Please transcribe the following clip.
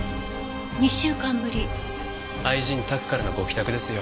愛人宅からのご帰宅ですよ。